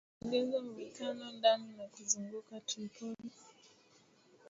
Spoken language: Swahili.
Yameongeza mvutano ndani na kuzunguka Tripoli